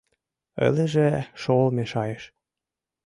Ылеже шол мешайыш.